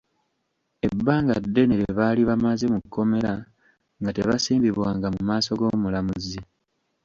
Ebbanga ddene lye baali bamaze mu kkomera nga tebasimbibwanga mu maaso g’omulamuzi.